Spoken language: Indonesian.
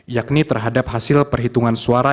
yakni terhadap hasil perhitungan suara